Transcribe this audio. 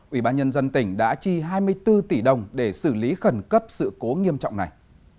ubnd tỉnh đã chi hai mươi bốn tỷ đồng để xử lý khẩn cấp sự cố nghiêm trọng này